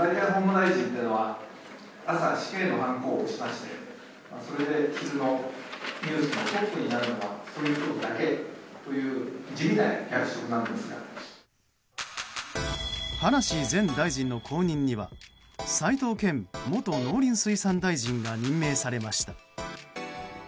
葉梨前大臣の後任には齋藤健元農林水産大臣が任命されました。